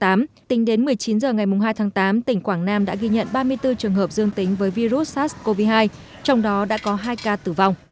tính đến một mươi chín h ngày hai tháng tám tỉnh quảng nam đã ghi nhận ba mươi bốn trường hợp dương tính với virus sars cov hai trong đó đã có hai ca tử vong